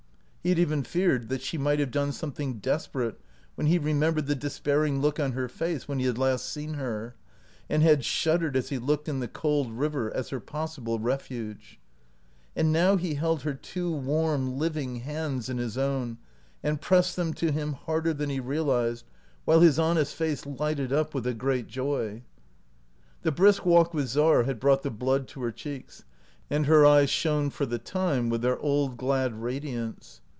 He had even feared that she might have done something desperate when he remembered the despairing look on her face when he had last seen her, and had shud dered as he looked in the cold river as her possible refuge. And now he held her two warm living hands in his own, and pressed them to him harder than he realized, while 98 OUT OF BOHEMIA his honest face lighted up with a great joy. The brisk walk with Czar had brought the blood to her cheeks, and her eyes shone for the time with their old glad radiance.